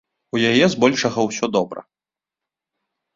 У яе з большага ўсё добра.